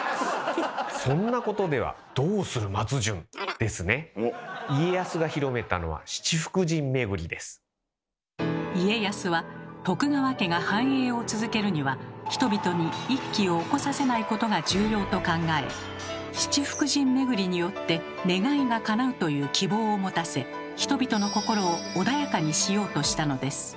そんなことでは家康は徳川家が繁栄を続けるには人々に一揆を起こさせないことが重要と考え七福神めぐりによって願いがかなうという希望を持たせ人々の心を穏やかにしようとしたのです。